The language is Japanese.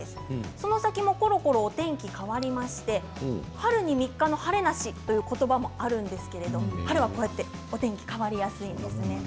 その先もコロコロお天気変わりまして春に３日の晴れなしという言葉もあるんですけれども春はお天気変わりやすいんですね。